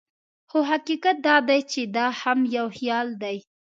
خو حقیقت دا دی چې دا هم یو خیال دی.